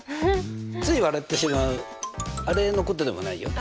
つい笑ってしまうあれのことでもないよ。